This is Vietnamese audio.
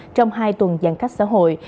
trong hai tuần giãn cách xã hội